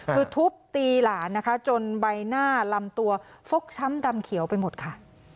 คือทุบตีหลานนะคะจนใบหน้าลำตัวฟกช้ำดำเขียวไปหมดค่ะ